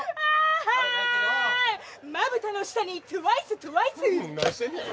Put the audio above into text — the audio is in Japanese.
まぶたの下にＴＷＩＣＥＴＷＩＣＥ何してんねん！